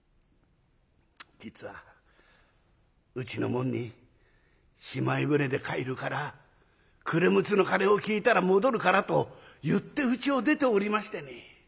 実はうちの者にしまい船で帰るから暮れ六つの鐘を聞いたら戻るからと言ってうちを出ておりましてね。